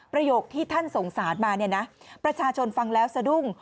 ประโยคที่ท่านสงสารมาเนี่ยนะประชาชนฟังแล้วสะดุ้ง